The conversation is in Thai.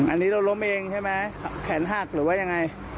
อันนี้เราล้มเองใช่ไหมแขนหักหรือว่ายังไง